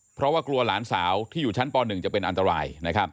เพราะว่ากลัวหลานสาวที่อยู่ชั้นป๑จะเป็นอันตราย